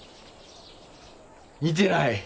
似てない。